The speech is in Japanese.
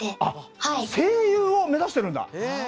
あ声優を目指してるんだ！